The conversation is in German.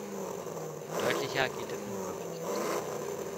Deutlicher geht es nun wirklich nicht.